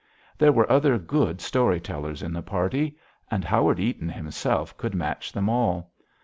There were other good story tellers in the party. And Howard Eaton himself could match them all.